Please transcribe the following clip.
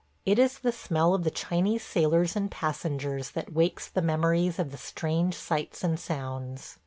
It is the smell of the Chinese sailors and passengers that wakes the memories of the strange sights and sounds.